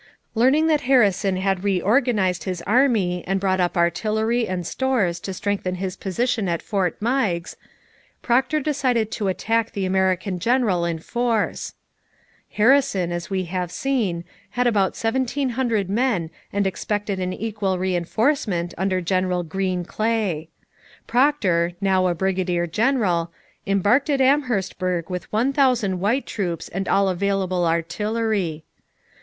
Learning that Harrison had reorganized his army and brought up artillery and stores to strengthen his position at Fort Meigs, Procter decided to attack the American general in force. Harrison, as we have seen, had about 1700 men and expected an equal reinforcement under General Green Clay. Procter, now a brigadier general, embarked at Amherstburg with 1,000 white troops and all available artillery.